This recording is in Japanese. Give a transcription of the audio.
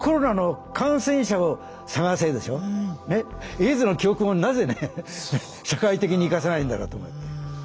エイズの教訓をなぜね社会的に生かせないんだろうと思って。